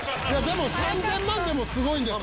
でも３０００万でもすごい。